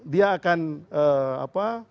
dia akan apa